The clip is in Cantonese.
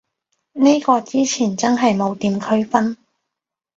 呢個之前真係冇點區分